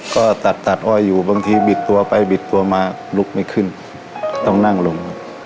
ก็ตัดตัดอ้อยอยู่บางทีบิดตัวไปบิดตัวมาลุกไม่ขึ้นต้องนั่งลงครับ